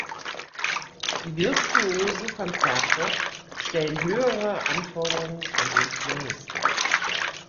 Die virtuosen Konzerte stellen höhere Anforderung an den Pianisten.